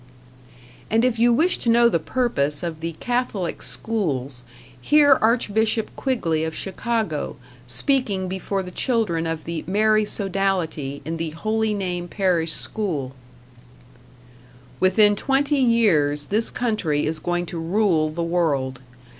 And if you wish to know the purpose of the Catholic schools, hear Archbishop Quigley of Chicago, speaking before the children of the Mary Sodality in the Holy Name Parish School: Within twenty years this country is going to rule the world.